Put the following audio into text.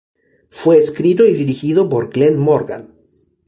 Fue escrito y dirigido por Glen Morgan.